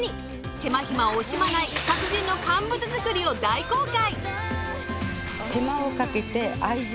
手間暇を惜しまない達人の乾物づくりを大公開。